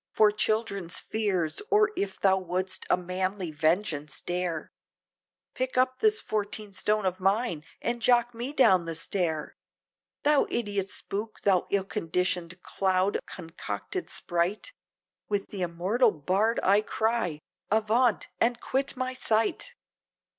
For children's fears, or if thou would'st a manly vengeance dare, Pick up this fourteen stone of mine, and jock me down the stair Thou idiot spook, thou ill conditioned cloud concocted sprite With the immortal bard I cry, Avaunt! and quit my sight!"